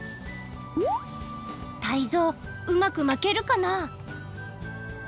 タイゾウうまく巻けるかな？